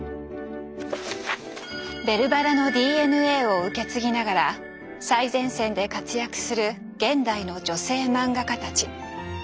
「ベルばら」のＤＮＡを受け継ぎながら最前線で活躍する現代の女性マンガ家たち。